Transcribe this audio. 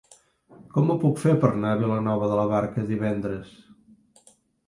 Com ho puc fer per anar a Vilanova de la Barca divendres?